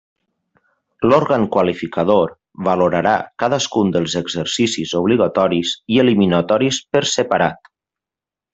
L'òrgan qualificador valorarà cadascun dels exercicis obligatoris i eliminatoris per separat.